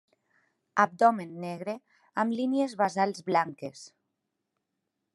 Abdomen negre amb línies basals blanques.